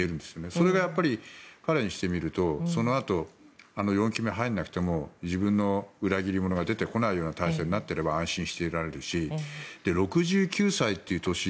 それが、やっぱり彼にしてみるとそのあと４期目に入らなくても自分の裏切り者が出てこないような体制になっていれば安心できるし６９歳という年